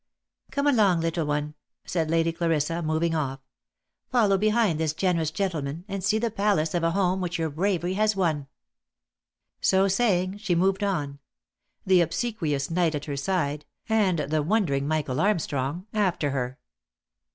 " Come along, little one !" said Lady Clarissa, moving off. " Follow behind this generous gentleman, and see the palace of a home which your bravery has won." So saying, she moved on ; the obsequious knight at her side, and the wondering Michael Armstrong after her.